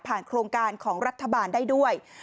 โครงการของรัฐบาลได้ด้วย